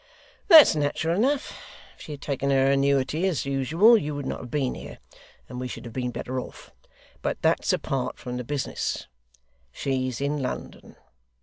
'That's natural enough. If she had taken her annuity as usual, you would not have been here, and we should have been better off. But that's apart from the business. She's in London.